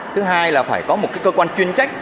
thứ hai là phải có một cơ quan chuyên trách